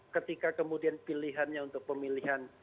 ketika kemudian pilihannya untuk pemilihan